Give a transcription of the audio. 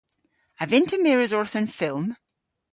A vynn'ta mires orth an fylm?